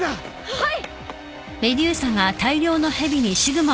はい！